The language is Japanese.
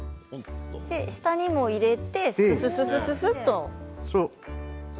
下にも入れてすすすすすっと。